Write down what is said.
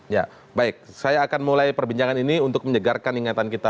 ya baik saya akan mulai perbincangan ini untuk menyegarkan ingatan kita